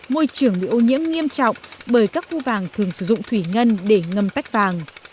môi trường bị ô nhiễm nghiêm trọng bởi các phu vàng thường sử dụng thủy ngân để ngâm tách vàng